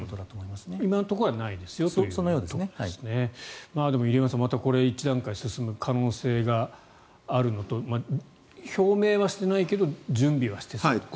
今のところはないですよと入山さん、また一段階進む可能性があるのと表明はしていないけど準備はしてそうと。